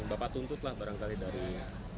bapak tuntut lah barangkali dari